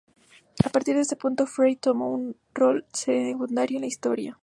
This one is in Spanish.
A partir de este punto, Freya toma un rol secundario en la historia.